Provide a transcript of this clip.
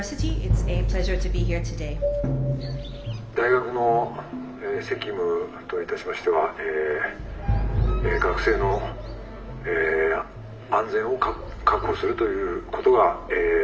「大学の責務といたしましてはえ学生の安全を確保するということが一番だと」。